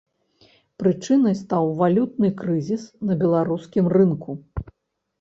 Прычынай стаў валютны крызіс на беларускім рынку.